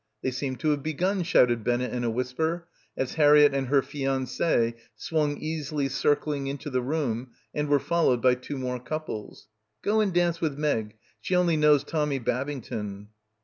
"They seem to have begun," shouted Bennett in a whisper as Harriett and her fiance swung easily circling into the room and were followed by two more couples. "Go and dance with Meg. She only knows Tommy Babington."